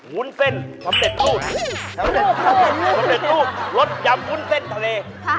บุ๋นเส้นสำเร็จรูปสำเร็จรูปรสยำบุ๋นเส้นทะเล